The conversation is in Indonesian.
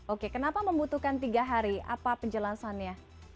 oke kenapa membutuhkan tiga hari apa penjelasannya